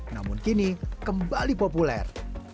namun kini kembali populer